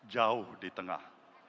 jauh di tengah